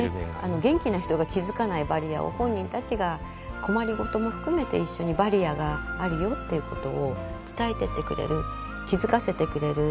元気な人が気付かないバリアを本人たちが困り事も含めて一緒にバリアがあるよっていうことを伝えてってくれる気付かせてくれる。